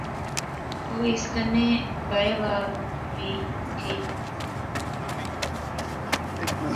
او اس کنے بائے وہا وی کہیہ